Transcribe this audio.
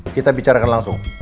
kita bicarakan langsung